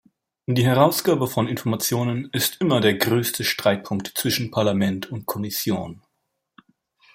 Die Herausgabe von Informationen ist immer der größte Streitpunkt zwischen Parlament und Kommission.